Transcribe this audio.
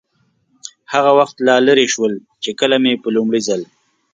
هغه وخت لا لرې شول، چې کله مې په لومړي ځل.